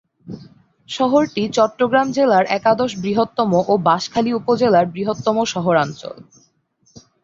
শহরটি চট্টগ্রাম জেলার একাদশ বৃহত্তম ও বাঁশখালী উপজেলার বৃহত্তম শহরাঞ্চল।